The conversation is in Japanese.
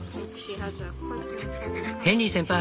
「ヘンリー先輩。